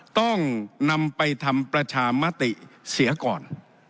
ต้องนำไปทำประชามติเสียก่อน